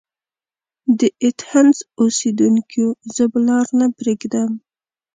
د ایتهنز اوسیدونکیو! زه به لار نه پريږدم.